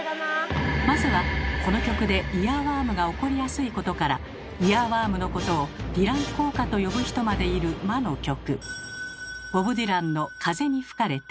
まずはこの曲でイヤーワームが起こりやすいことからイヤーワームのことを「ディラン効果」と呼ぶ人までいる魔の曲。